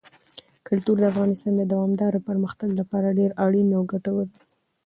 کلتور د افغانستان د دوامداره پرمختګ لپاره ډېر اړین او ګټور دی.